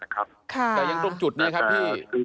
แต่ยังตรงจุดนี้ครับที่